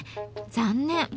残念。